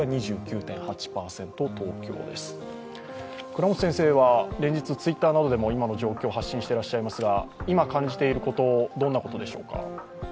倉持先生は、連日、Ｔｗｉｔｔｅｒなどでも発信していらっしゃいますが今、感じていることはどんなことでしょうか。